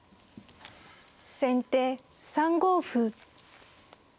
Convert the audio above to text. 先手３五歩。